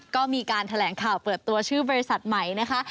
ก็มีการแถลงข่าวเปิดตัวชื่อบริษัทใหม่นะคะ